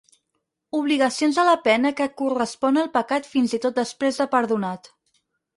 Obligacions a la pena que correspon al pecat fins i tot després de perdonat.